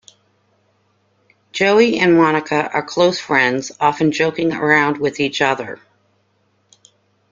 Joey and Monica are close friends often joking around with each other.